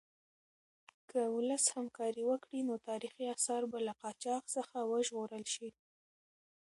که ولس همکاري وکړي نو تاریخي اثار به له قاچاق څخه وژغورل شي.